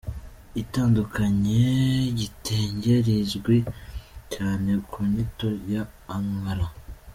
itandukanye ,igitenge rizwi cyane ku nyito ya ”Ankara”